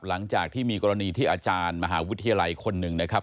หลังจากที่มีกรณีที่อาจารย์มหาวิทยาลัยคนหนึ่งนะครับ